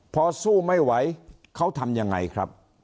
พอสู้ไม่ไหวเขาทำยังไงครับ